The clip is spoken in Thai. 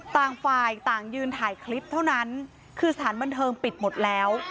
ต่างฝ่ายต่างยืนถ่ายคลิปเท่านั้นคือสถานบันเทิงปิดหมดแล้ว